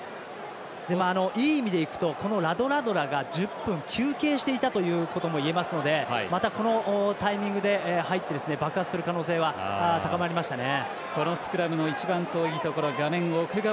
いい意味でいうとこのラドラドラが１０分休憩していたということもいえますのでまた、このタイミングで入って爆発する可能性は高まりましたね。